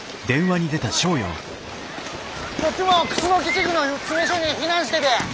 こっちも楠木地区の詰め所に避難してで。